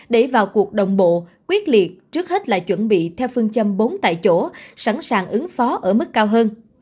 để vào cuộc đồng bộ quyết liệt trước hết là chuẩn bị theo phương châm bốn tại chỗ sẵn sàng ứng phó ở mức cao hơn